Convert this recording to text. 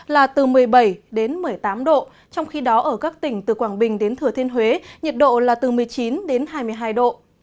là từ một mươi bảy đến một mươi tám độ trong khi đó ở các tỉnh từ quảng bình đến thừa thiên huế nhiệt độ là từ một mươi chín đến hai mươi hai độ